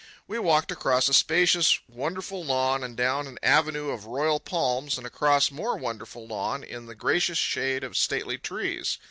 We walked across a spacious, wonderful lawn and down an avenue of royal palms, and across more wonderful lawn in the gracious shade of stately trees.